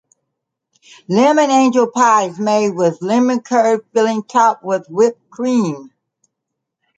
Lemon angel pie is made with lemon curd filling topped with whipped cream.